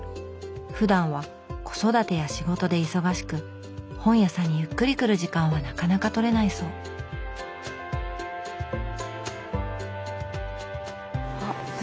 ふだんは子育てや仕事で忙しく本屋さんにゆっくり来る時間はなかなかとれないそうあっ何？